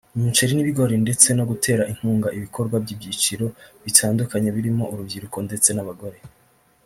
umuceri n’ibigori ndetse no gutera inkunga ibikorwa by’ibyiciro bitandukanye birimo urubyiruko ndetse n’abagore